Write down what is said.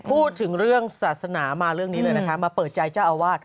พูดถึงเรื่องศาสนามาเรื่องนี้เลยนะคะมาเปิดใจเจ้าอาวาส